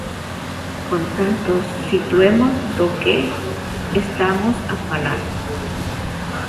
Por tanto, situemos do que estamos a falar.